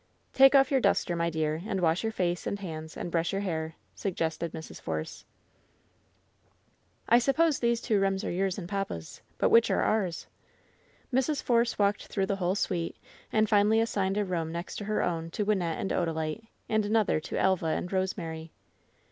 "Take off your duster, my dear, and wash your face and hands, and brush your hair," suggested Mrs. Force. LOVE'S BITTEREST CUP 189 *^I suppose these two rooms are yours and papa's, but which are ours ?" Mrs. Force walked through the whole suit, and finally assigned a room next to her own to Wynnette and Oda lite, and another to Elva and Rosemary.